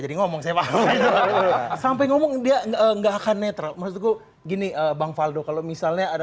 jadi ngomong sampai ngomong dia nggak akan netral masukku gini bang faldo kalau misalnya ada